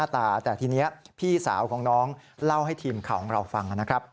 แต่ตอนไม่ได้